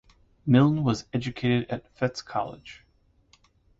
Milne was educated at Fettes College.